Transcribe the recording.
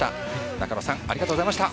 中野さんありがとうございました。